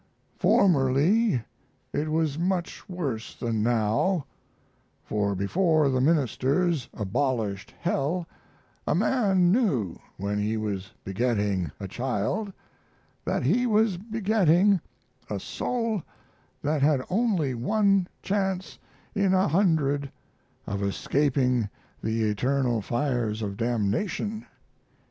Formerly it was much worse than now, for before the ministers abolished hell a man knew, when he was begetting a child, that he was begetting a soul that had only one chance in a hundred of escaping the eternal fires of damnation.